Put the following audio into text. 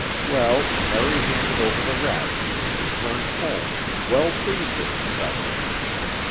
Well, Harry handed over the rations and turned home, well pleased with himself.